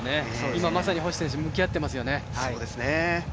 今まさに星選手、向き合っていますよね。